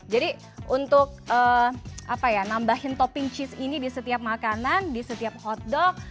jadi untuk apa ya nambahin topping cheese ini di setiap makanan di setiap hotdog